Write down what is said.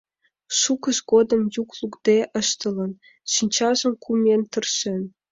Шукыж годым йӱк лукде ыштылын, шинчажым кумен тыршен.